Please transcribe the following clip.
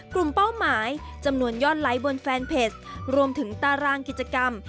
เป้าหมายจำนวนยอดไลค์บนแฟนเพจรวมถึงตารางกิจกรรม